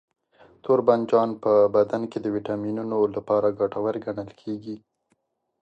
توربانجان په بدن کې د ویټامینونو لپاره ګټور ګڼل کېږي.